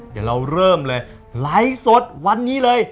เดี๋ยวเราเริ่มเลยไลฟ์สดวันนี้เลย